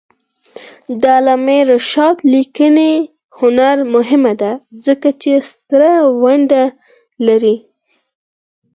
د علامه رشاد لیکنی هنر مهم دی ځکه چې ستره ونډه لري.